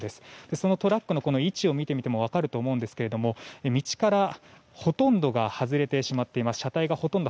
そのトラックの位置を見てみても分かると思うんですが道から車体がほとんど外れてしまっています。